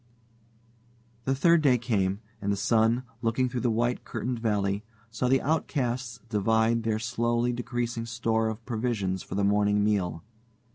The third day came, and the sun, looking through the white curtained valley, saw the outcasts divide their slowly decreasing store of provisions for the morning meal.